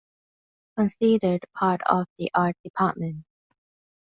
Considered part of the art department.